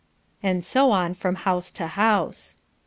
And so on from house to house.